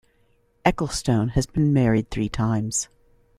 Ecclestone has been married three times.